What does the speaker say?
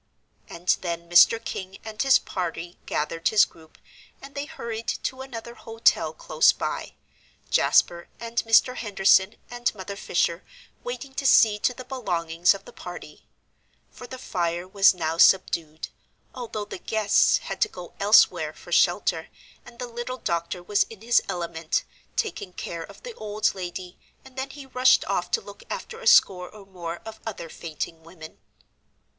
And then Mr. King and his party gathered his group, and they hurried to another hotel close by, Jasper and Mr. Henderson and Mother Fisher waiting to see to the belongings of the party; for the fire was now subdued, although the guests had to go elsewhere for shelter, and the little doctor was in his element, taking care of the old lady, and then he rushed off to look after a score or more of other fainting women.